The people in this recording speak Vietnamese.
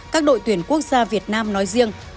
các đội tuyển quốc gia việt nam nói riêng